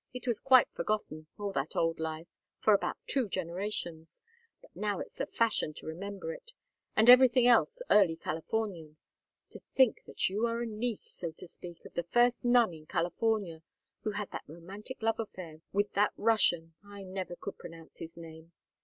It was quite forgotten all that old life for about two generations; but now it's the fashion to remember it, and everything else early Californian. To think that you are a niece, so to speak, of the first nun in California, who had that romantic love affair with that Russian I never could pronounce his name.